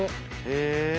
へえ。